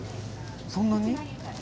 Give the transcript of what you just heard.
そんなに？